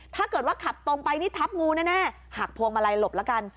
ถ้าเกิดว่าขับตรงไปนี่ทับงูแน่หักพวงมาลัยหลบแล้วกัน